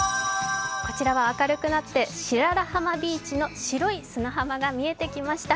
こちらは明るくなって白良浜ビーチの白い砂浜が見えてきました。